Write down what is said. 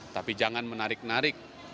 tapi jangan menarik narik